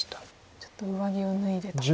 ちょっと上着を脱いでと。